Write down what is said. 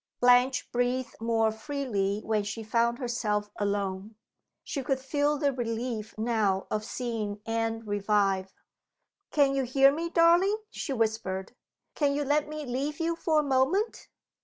Blanche breathed more freely when she found herself alone. She could feel the relief now of seeing Anne revive. "Can you hear me, darling?" she whispered. "Can you let me leave you for a moment?"